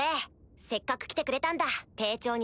せっかく来てくれたんだ丁重にな。